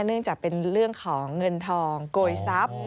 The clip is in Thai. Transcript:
เนื่องจากเป็นเรื่องของเงินทองโกยทรัพย์